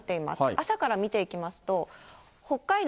朝から見ていきますと、北海道